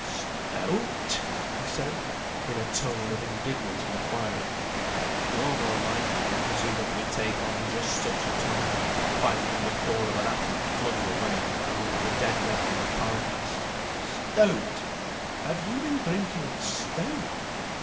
"Stout?" he said, in a tone of indignant inquiry: God Almighty would presumably take on just such a tone, finding the core of an apple flung away among the dead nettle of paradise: "Stout! Have you been drinking stout?"